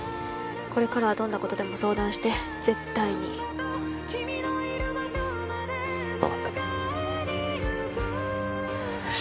これからはどんなことでも相談して絶対に分かったよ